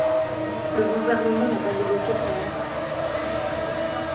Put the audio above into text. Le gouvernement n'a pas évoqué sa mort.